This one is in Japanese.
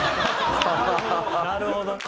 なるほどね。